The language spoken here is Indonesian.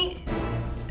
saya sudah buka foto